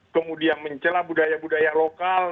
kemudian mencelah budaya budaya lokal